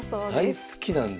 大好きなんですね。